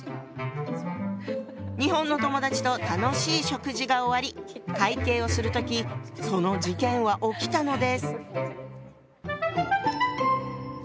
日本の友だちと楽しい食事が終わり会計をする時その事件は起きたのです。